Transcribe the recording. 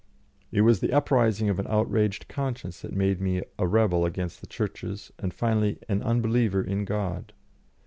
It was the uprising of an outraged conscience that made me a rebel against the Churches and finally an unbeliever in God.